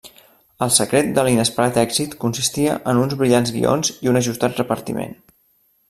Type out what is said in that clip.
El secret de l'inesperat èxit consistia en uns brillants guions i un ajustat repartiment.